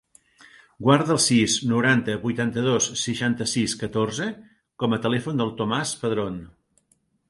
Guarda el sis, noranta, vuitanta-dos, seixanta-sis, catorze com a telèfon del Tomàs Padron.